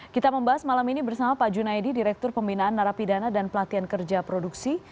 kita membahas malam ini bersama pak junaidi direktur pembinaan narapidana dan pelatihan kerja produksi